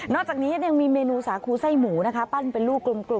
นอกจากนี้แทบแว้งยังมีเมนูสาคูไส้หมูเป้าะเป็นรูปใกล้